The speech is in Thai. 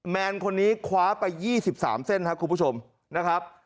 แมนคนนี้คว้าไปยี่สิบสามเส้นนะครับคุณผู้ชมนะครับ